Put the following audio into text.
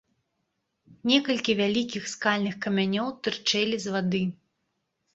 Некалькі вялікіх скальных камянёў тырчэлі з вады.